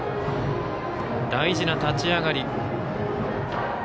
大事な立ち上がり。